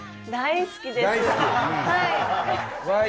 大好きです。